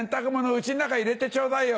家ん中に入れてちょうだいよ。